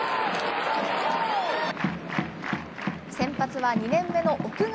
先発は２年目の奥川。